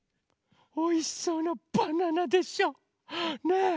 おいしそうなバナナでしょ？ねえ。